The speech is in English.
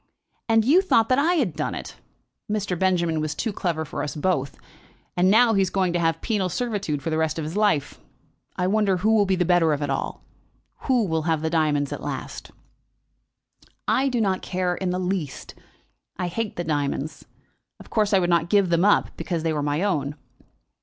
And you thought that I had done it! Mr. Benjamin was too clever for us both, and now he is going to have penal servitude for the rest of his life. I wonder who will be the better of it all. Who'll have the diamonds at last?" "I do not in the least care. I hate the diamonds. Of course I would not give them up, because they were my own."